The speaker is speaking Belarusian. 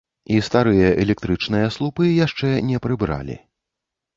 І старыя электрычныя слупы яшчэ не прыбралі.